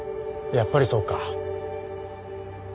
やっぱりそうか。